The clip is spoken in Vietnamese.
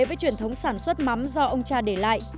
với truyền thống sản xuất mắm do ông cha để lại